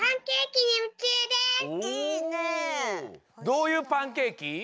どういうパンケーキ？